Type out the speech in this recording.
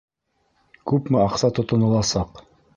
Күпме аҡса тотоноласаҡ?